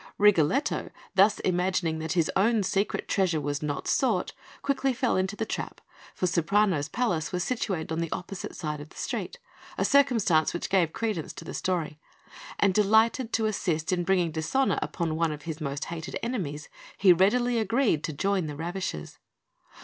Rigoletto, thus imagining that his own secret treasure was not sought, quickly fell into the trap, for Ceprano's palace was situated on the opposite side of the street, a circumstance which gave credence to the story; and delighted to assist in bringing dishonour upon one of his most hated enemies, he readily agreed to join the ravishers.